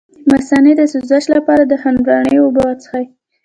د مثانې د سوزش لپاره د هندواڼې اوبه وڅښئ